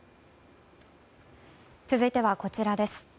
続いては、こちらです。